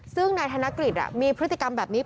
ซึ่งนายธนกฤษมีพฤติกรรมแบบนี้